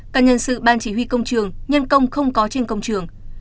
các nhân sự ban chỉ huy công trường nhân công không có trên công trường